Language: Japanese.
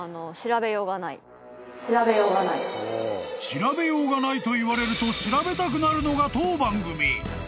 ［調べようがないと言われると調べたくなるのが当番組］